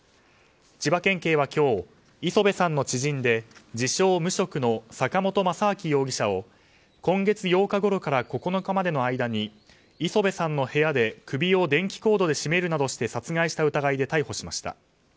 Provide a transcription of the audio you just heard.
千葉県警は今日磯辺さんの知人で自称無職の坂本雅章容疑者を今月８日ごろから９日までの間に磯辺さんの部屋で首を電気コードで絞めるなどして殺害した疑いで逮捕しました。